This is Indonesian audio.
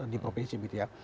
di provinsi gitu ya